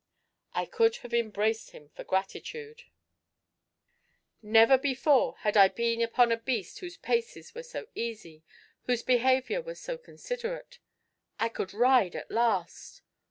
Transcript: I could have embraced him for gratitude: never before had I been upon a beast whose paces were so easy, whose behaviour was so considerate. I could ride at last!